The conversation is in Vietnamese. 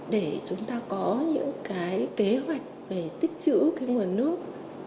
để chúng ta có những cái kế hoạch về tích chữ cái nguồn nước